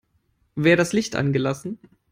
Wer das Licht angelassen?